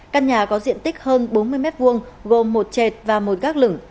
căn nhà có diện tích hơn bốn mươi m hai gồm một chệt và một gác lửng